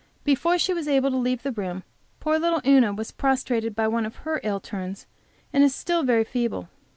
Before she was able to leave the room, poor little Una was prostrated by one of her ill turns, and is still very feeble.